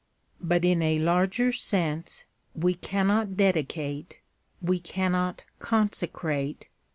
But, in a larger sense, we cannot dedicate. . .we cannot consecrate.